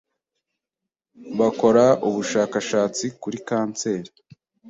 bakora ubushakashatsi kuri kanseri